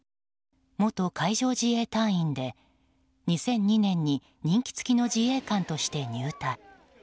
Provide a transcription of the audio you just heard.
元海上自衛隊員で２００２年に任期つきの自衛官として入隊。